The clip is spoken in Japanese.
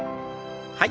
はい。